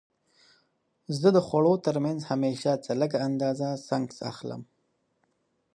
زه د خوړو ترمنځ همیشه څه لږه اندازه سنکس اخلم.